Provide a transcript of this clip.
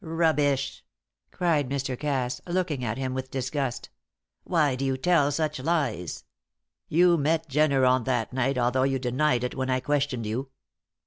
"Rubbish!" cried Mr. Cass, looking at him with disgust. "Why do you tell such lies? You met Jenner on that night, although you denied it when I questioned you."